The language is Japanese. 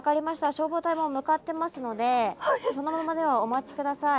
消防隊もう向かってますのでそのままではお待ち下さい。